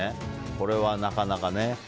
これは、なかなかね。